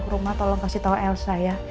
ke rumah tolong kasih tau elsa ya